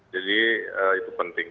jadi itu penting